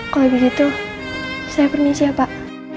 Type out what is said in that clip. kalau begitu saya permisi ya pak